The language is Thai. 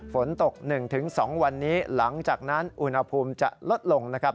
ฝนตก๑๒วันนี้หลังจากนั้นอุณหภูมิจะลดลงนะครับ